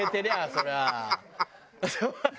そりゃ。